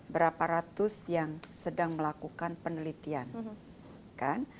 berapa ratus yang sedang melakukan penelitian kan